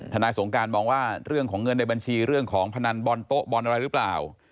นายสงการมองว่าเรื่องของเงินในบัญชีเรื่องของพนันบอลโต๊ะบอลอะไรหรือเปล่า